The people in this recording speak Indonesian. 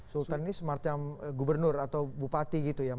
sultan ini semacam gubernur atau bupati gitu ya